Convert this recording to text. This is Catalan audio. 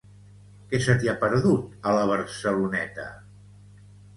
Què se t'hi ha perdut, a la Barceloneta?